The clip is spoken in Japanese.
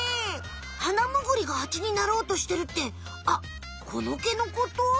ハナムグリがハチになろうとしてるってあっこの毛のこと？